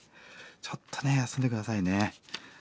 ちょっとね休んで下さいね。